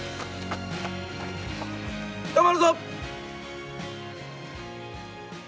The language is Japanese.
頑張るぞ！